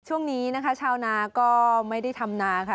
ช่วงนี้นะคะชาวนาก็ไม่ได้ทำนาค่ะ